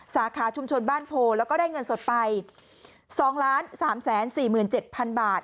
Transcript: สาขาชุมชนบ้านโพแล้วก็ได้เงินสดไป๒๓๔๗๐๐บาท